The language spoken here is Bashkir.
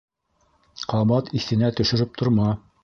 Ҡабат иҫенә төшөрөп торма!